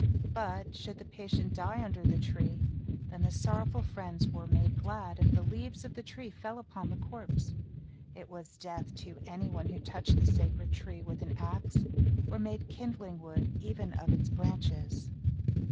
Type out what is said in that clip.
But, should the patient die under the tree, then the sorrowful friends were made glad, if the leaves of the tree fell upon the corpse. It was death to any person who touched the sacred tree with an axe, or made kindling wood, even of its branches.